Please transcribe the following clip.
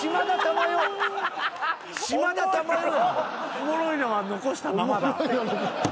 おもろいのは残したままだ。